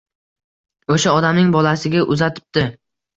O’sha odamning bolasiga uzatibdi.